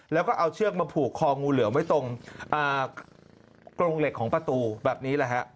แล้วก็เอาเชือกมาผูกคองูเหลือมไว้ตรงกรงเหล็กของประตูแบบนี้แหละฮะ